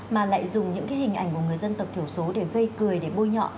mà lại dùng những cái hình ảnh của người dân tộc thiểu số để gây cười để bôi nhọ